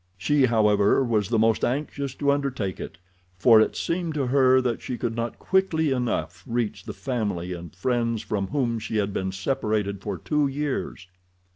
She, however, was the most anxious to undertake it, for it seemed to her that she could not quickly enough reach the family and friends from whom she had been separated for two years.